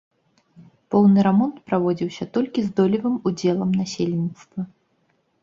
Поўны рамонт праводзіўся толькі з долевым удзелам насельніцтва.